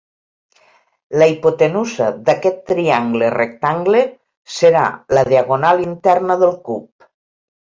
La hipotenusa d'aquest triangle rectangle serà la diagonal interna del cub.